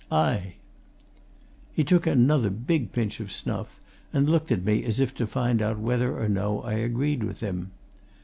Aye!" He took another big pinch of snuff, and looked at me as if to find out whether or no I agreed with him.